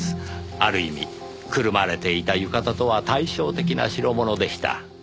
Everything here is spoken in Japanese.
ある意味くるまれていた浴衣とは対照的な代物でした。